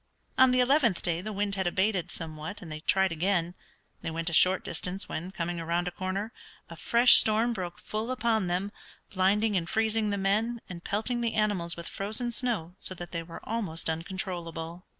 On the eleventh day the wind had abated somewhat, and they tried again. They went a short distance when, coming around a corner, a fresh storm broke full upon them, blinding and freezing the men, and pelting the animals with frozen snow so that they were almost uncontrollable.